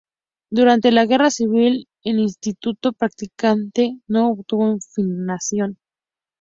Durante la Guerra Civil el Instituto prácticamente no tuvo financiación.